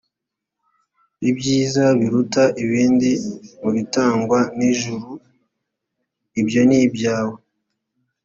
ibyiza biruta ibindi mu bitangwa n’ijuru, ibyo ni ibyawe,